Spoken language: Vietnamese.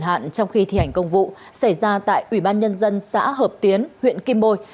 hạn trong khi thi hành công vụ xảy ra tại ủy ban nhân dân xã hợp tiến huyện kim bôi